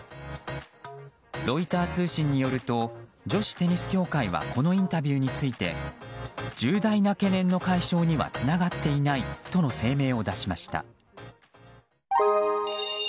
ロイター通信によると女子テニス協会はこのインタビューについて重大な懸念の解消にはつながっていないとの声明を出しました。